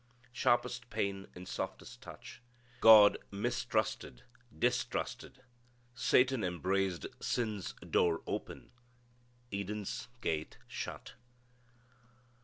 Sharpest pain in softest touch. God mistrusted distrusted. Satan embraced. Sin's door open. Eden's gate shut.